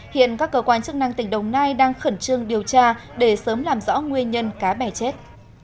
hiện các cơ quan chức năng tỉnh đồng nai đang khẩn trương điều tra để sớm làm rõ nguyên nhân cá bè chết